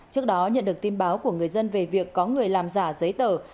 trước đó nhận được tin báo của người dân về việc có người làm giả giấy tờ